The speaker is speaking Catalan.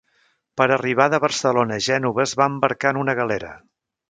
Per arribar de Barcelona a Gènova, es va embarcar en una galera.